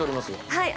はい。